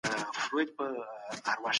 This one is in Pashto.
فکر کول نوي نظرونه پیدا کوي.